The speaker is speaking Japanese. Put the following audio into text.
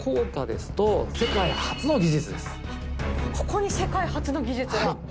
ここに世界初の技術が。